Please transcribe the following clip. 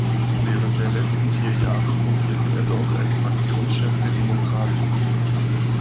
Während der letzten vier Jahre fungierte er dort als Fraktionschef der Demokraten.